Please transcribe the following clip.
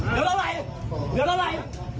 เดี๋ยวเรามาให้